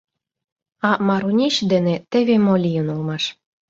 А Марунич дене теве мо лийын улмаш.